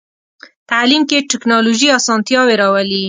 تعلیم کې ټکنالوژي اسانتیاوې راولي.